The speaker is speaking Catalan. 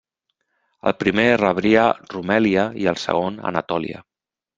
El primer rebria Rumèlia i el segon Anatòlia.